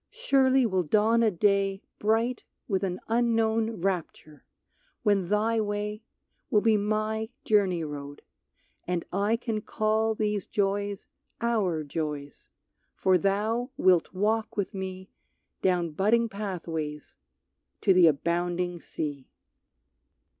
Surely will dawn a day Bright with an unknown rapture, when thy way Will be my journey road, and I can call These joys our joys, for thou wilt walk with me Down budding pathways to the abounding sea.